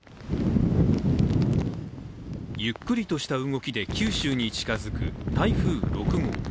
ゆっくりとした動きで九州に近づく台風６号。